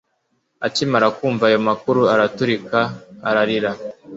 akimara kumva ayo makuru, araturika ararira